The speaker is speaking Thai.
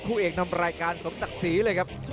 คู่เอกนำรายการสมสัตว์สีเลยครับ